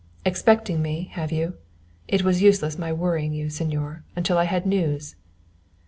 "Expecting me, have you? It was useless my worrying you, señor, until I had news."